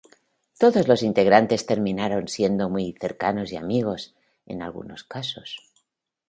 Todos los integrantes terminaron siendo muy cercanos y amigos, en algunos casos.